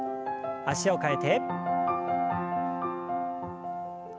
脚を替えて。